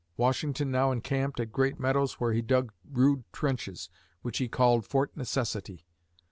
Washington now encamped at Great Meadows where he dug rude trenches, which he called Fort Necessity.